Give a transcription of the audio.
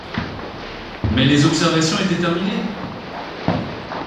Mais les observations étaient terminées!